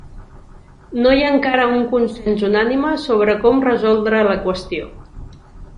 No hi ha encara un consens unànime sobre com resoldre la qüestió.